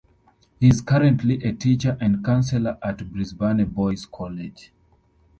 He is currently a teacher and counsellor at Brisbane Boys' College.